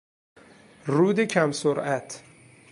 رود کم سرعت